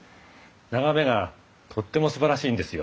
眺めがとってもすばらしいんですよ。